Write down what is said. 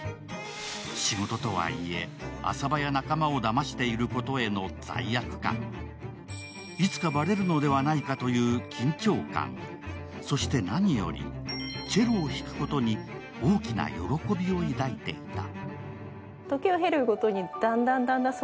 仕事とはいえ、浅葉や仲間を騙していることへの罪悪感、いつかバレるのではないかという緊張感、そして何より、チェロを弾くことに大きな喜びを抱いていた。